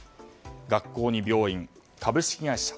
学校に病院、株式会社